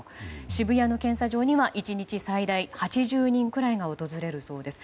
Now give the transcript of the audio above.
渋谷の検査場には１日最大８０人ぐらいが訪れるそうです。